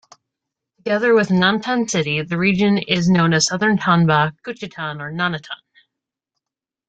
Together with Nantan city, the region is known as Southern Tanba, Kuchitan or Nanatan.